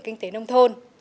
kinh tế nông thôn